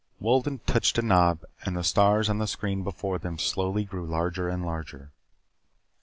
Wolden touched a knob and the stars on the screen before them slowly grew larger and larger.